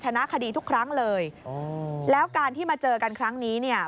ชนะคดีทุกครั้งเลยอ๋อแล้วการที่มาเจอกันครั้งนี้เนี่ย